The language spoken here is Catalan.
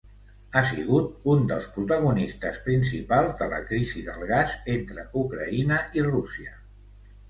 Ha sigut un dels protagonistes principals de la Crisi del gas entre Ucraïna i Rússia.